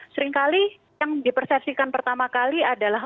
seringkali yang dipersepsikan pertama kali adalah